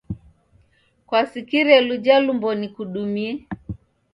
Kwasikire luja lumbo nikudumie?